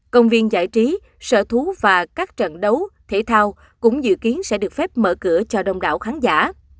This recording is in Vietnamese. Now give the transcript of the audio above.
công viên giải trí sở thú và các trận đấu thể thao cũng dự kiến sẽ được phép mở cửa cho đông đảo khán giả